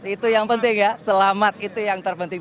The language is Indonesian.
itu yang penting ya selamat itu yang terpenting